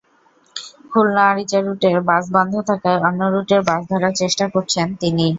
খুলনা-আরিচা রুটের বাস বন্ধ থাকায় অন্য রুটের বাস ধরার চেষ্টা করছেন তিনি।